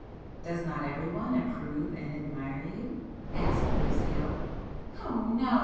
"Does not everyone approve and admire you?" asked Lucio. "Oh no!